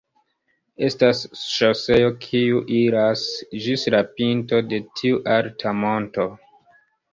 Estas ŝoseo kiu iras ĝis la pinto de tiu alta monto.